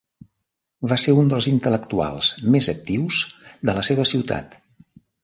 Va ser un dels intel·lectuals més actius de la seva ciutat.